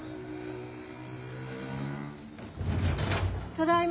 ・・ただいま！